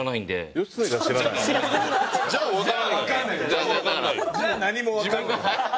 じゃあ何もわからない。